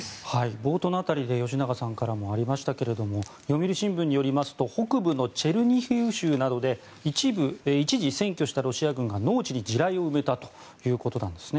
冒頭辺りで吉永さんからもありましたが読売新聞によりますと北部のチェルニヒウ州などで一時占拠したロシア軍が農地に地雷を埋めたということなんですね。